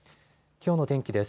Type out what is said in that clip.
きょうの天気です。